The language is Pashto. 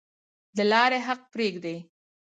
د لارې حق پریږدئ؟